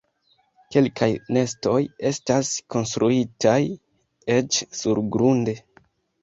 Kelkaj nestoj estas konstruitaj eĉ surgrunde.